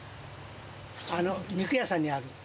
肉屋さんにある。